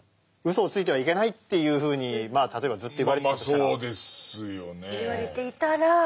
うそをついてはいけないというふうに例えばずっと言われてきてたら。